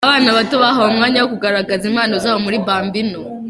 Abana bato bahawe umwanya wo kugaragaza impano zabo muri Bambino